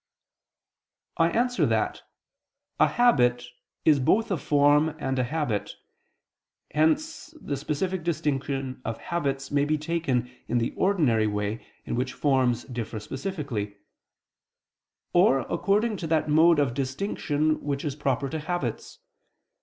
I answer that, A habit is both a form and a habit. Hence the specific distinction of habits may be taken in the ordinary way in which forms differ specifically; or according to that mode of distinction which is proper to habits.